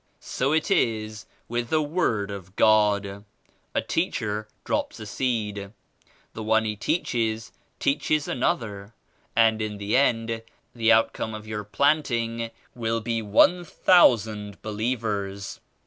So it is with the Word of God. A teacher drops a seed. The one he teaches teaches another and in the end the outcome of your planting will be one thousand believers.